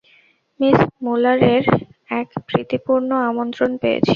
Miss মূলারের এক প্রীতিপূর্ণ আমন্ত্রণ পেয়েছি।